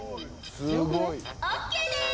ＯＫです。